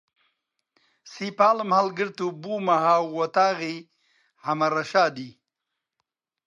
سیپاڵم هەڵگرت و بوومە هاووەتاغی حەمە ڕەشادی